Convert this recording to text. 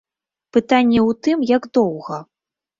Пытанне ў тым, як доўга.